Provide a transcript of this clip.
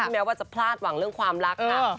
แม้ว่าจะพลาดหวังเรื่องความรักค่ะ